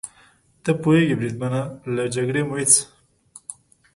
ته پوهېږې بریدمنه، له جګړې مو هېڅ.